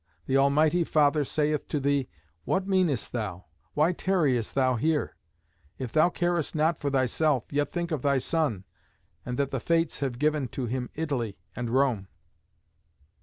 The almighty Father saith to thee, 'What meanest thou? Why tarriest thou here? If thou carest not for thyself, yet think of thy son, and that the Fates have given to him Italy and Rome.'"